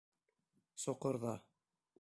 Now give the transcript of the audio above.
— Соҡорҙа.